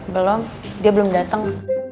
belom dia belum dateng